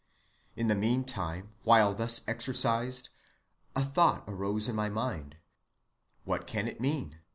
In the mean time while thus exercised, a thought arose in my mind, what can it mean?